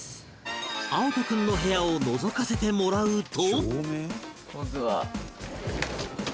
碧人君の部屋をのぞかせてもらうと